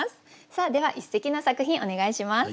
さあでは一席の作品お願いします。